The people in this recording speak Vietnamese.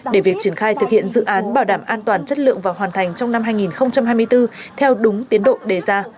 để việc triển khai thực hiện dự án bảo đảm an toàn chất lượng và hoàn thành trong năm hai nghìn hai mươi bốn theo đúng tiến độ đề ra